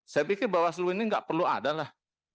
saya pikir bawaslu ini nggak perlu ada lah